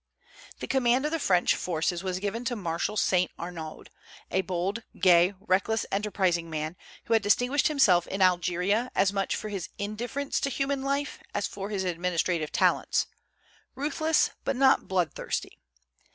The command of the French forces was given to Marshal Saint Arnaud, a bold, gay, reckless, enterprising man, who had distinguished himself in Algeria as much for his indifference to human life as for his administrative talents, ruthless, but not bloodthirsty.